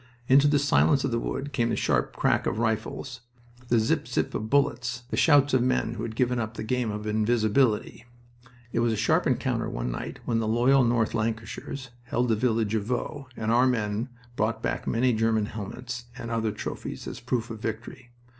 Into the silence of the wood came the sharp crack of rifles, the zip zip of bullets, the shouts of men who had given up the game of invisibility. It was a sharp encounter one night when the Loyal North Lancashires held the village of Vaux, and our men brought back many German helmets and other trophies as proofs of victory.